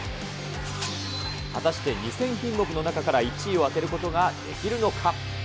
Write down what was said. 果たして、２０００品目の中から、１位を当てることができるのか。